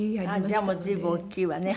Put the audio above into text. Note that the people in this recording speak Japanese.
じゃあもう随分大きいわね。